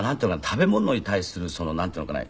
食べ物に対するなんていうのかな。